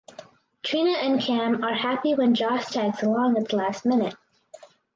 Trina and Cam are happy when Joss tags along at the last minute.